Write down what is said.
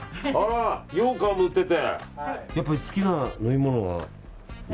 ようかんも売ってて。